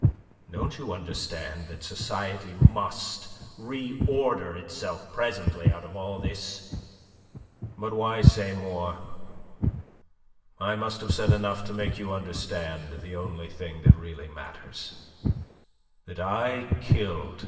Don't you understand that society must re order itself presently out of all this? "But why say more? I must have said enough to make you understand the only thing that really matters that I killed M.